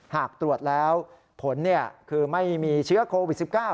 หากตรวจแล้วผลคือไม่มีเชื้อโควิด๑๙